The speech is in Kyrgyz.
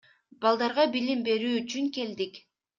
Балдарга билим берүү үчүн келдик.